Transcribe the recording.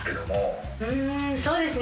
うんそうですね